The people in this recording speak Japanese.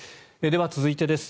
では、続いてです。